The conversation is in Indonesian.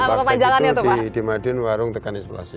warteg itu di madun warung tekan inflasi